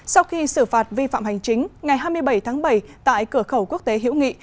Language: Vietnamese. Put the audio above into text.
sau khi xử phạt vi phạm hành chính ngày hai mươi bảy tháng bảy tại cửa khẩu quốc tế hữu nghị